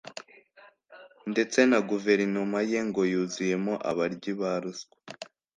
ndetse na guverinoma ye ngo yuzuyemo abaryi ba ruswa